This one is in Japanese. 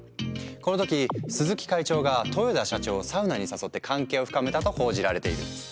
この時鈴木会長が豊田社長をサウナに誘って関係を深めたと報じられている。